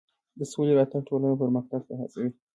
د سولې راتګ ټولنه پرمختګ ته هڅوي.